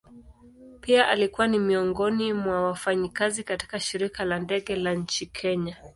Pia alikuwa ni miongoni mwa wafanyakazi katika shirika la ndege la nchini kenya.